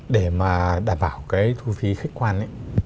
để đảm bảo thu phí khách quan